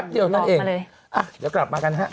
เดี๋ยวกลับมากันค่ะ